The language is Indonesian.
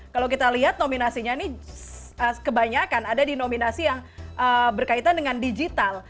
kalau kita lihat nominasinya ini kebanyakan ada di nominasi yang berkaitan dengan digital